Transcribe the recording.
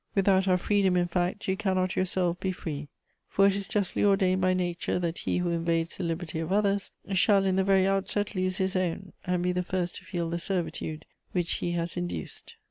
Without our freedom, in fact, you cannot yourself be free: for it is justly ordained by nature that he who invades the liberty of others shall in the very outset lose his own, and be the first to feel the servitude which he has induced."